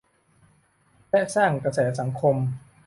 และสร้างกระแสสังคม